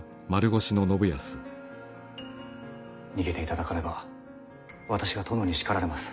逃げていただかねば私が殿に叱られます。